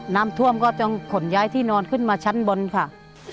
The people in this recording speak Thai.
น้ำท่วมก็ต้องขนย้ายที่นอนขึ้นมาชั้นบนค่ะ